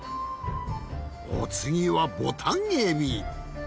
お次はボタンエビ。